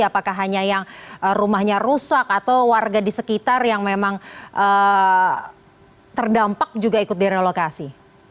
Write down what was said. apakah hanya yang rumahnya rusak atau warga di sekitar yang memang terdampak juga ikut direlokasi